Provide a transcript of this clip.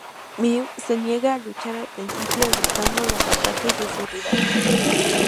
Mew se niega a luchar al principio evitando los ataques de su rival.